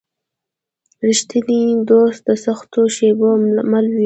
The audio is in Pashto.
رښتینی دوست د سختو شېبو مل وي.